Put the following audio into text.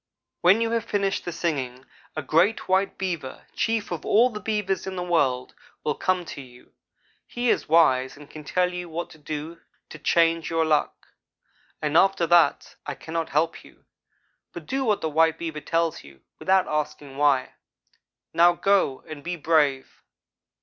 When you have finished the singing, a great white Beaver, chief of all the Beavers in the world, will come to you. He is wise and can tell you what to do to change your luck. After that I cannot help you; but do what the white Beaver tells you, without asking why. Now go, and be brave!'